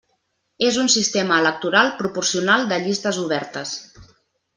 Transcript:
És un sistema electoral proporcional de llistes obertes.